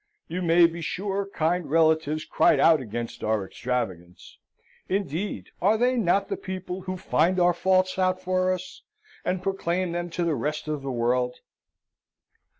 You may be sure kind relatives cried out against our extravagance; indeed, are they not the people who find our faults out for us, and proclaim them to the rest of the world?